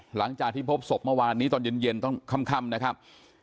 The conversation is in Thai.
หลังจากที่พบศพเมื่อวานนี้ตอนเย็นต้องค่ำนะครับ